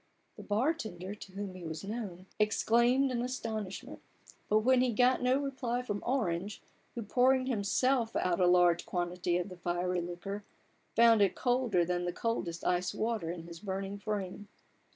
The bar tender, to whom he was known, exclaimed in astonish ment ; but he got no reply from Orange, who, pouring himself out a large quantity of the fiery liquor, found it colder than the coldest iced water in his burning frame.